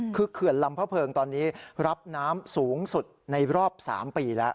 คือเขื่อนลำพระเพิงตอนนี้รับน้ำสูงสุดในรอบ๓ปีแล้ว